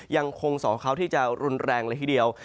ยังคงสอเคราะห์ที่จะรุนแรงละทีเดียว